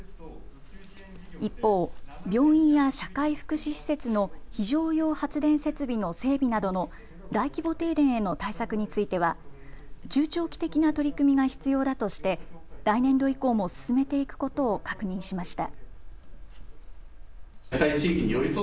一方、病院や社会福祉施設の非常用発電設備の整備などの大規模停電への対策については中長期的な取り組みが必要だとして来年度以降も進めていくことを確認しました。